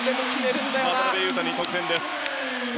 渡邊雄太に得点です。